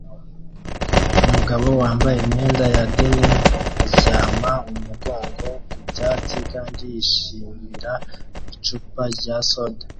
Umugabo wambaye imyenda ya denim aryama umugongo ku byatsi kandi yishimira icupa rya soda